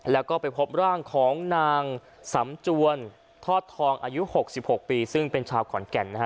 แล้วก็ไปพบร่างของนางสำจวนทอดทองอายุ๖๖ปีซึ่งเป็นชาวขอนแก่นนะฮะ